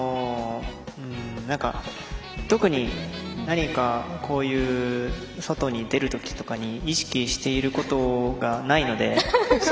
特に何かこういう外に出る時とかに意識していることがないので。